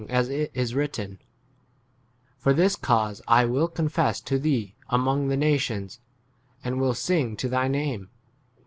I am not as it is written, For this cause I will confess to thee among [the] nations, and will sing to thy name.